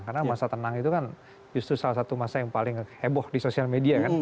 karena masa tenang itu kan justru salah satu masa yang paling heboh di sosial media kan